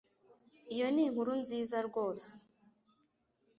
Iyo ni inkuru nziza rwose